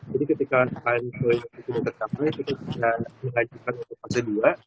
jadi ketika time truing sudah tercapai kita sudah melanjutkan untuk masa dua